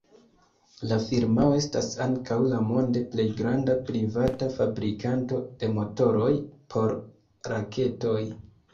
La firmao estas ankaŭ la monde plej granda privata fabrikanto de motoroj por raketoj.